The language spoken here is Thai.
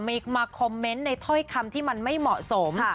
มีมาคอมเมนต์ในถ้อยคำที่มันไม่เหมาะสม